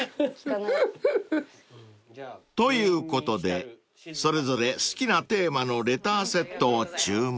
［ということでそれぞれ好きなテーマのレターセットを注文］